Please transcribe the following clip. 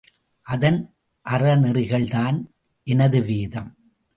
அதன் அறநெறிகள்தான் எனது வேதம்!